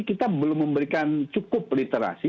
kita belum memberikan cukup literasi